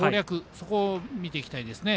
そこを見ていきたいですね。